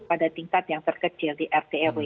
pada tingkat yang terkecil di rt rw